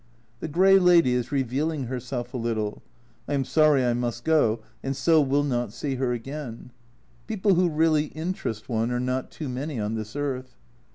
The grey lady is revealing herself a little I am sorry I must go, and so will not see her again ; people who really interest one are not too many on this earth.